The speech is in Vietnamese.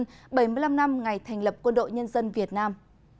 bảy mươi năm năm ngày thành lập quân đội nhân dân việt nam